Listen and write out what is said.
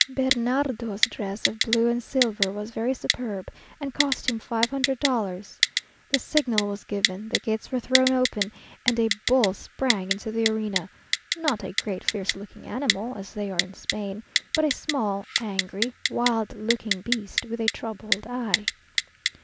Bernardo's dress of blue and silver was very superb, and cost him five hundred dollars. The signal was given the gates were thrown open, and a bull sprang into the arena; not a great, fierce looking animal, as they are in Spain, but a small, angry, wild looking beast, with a troubled eye.